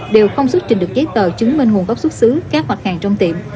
đều không xuất trình được giấy tờ chứng minh nguồn gốc xuất xứ các mặt hàng trong tiệm